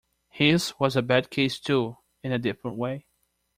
His was a bad case too, in a different way.